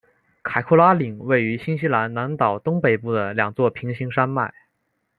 凯库拉岭位于新西兰南岛东北部的两座平行山脉。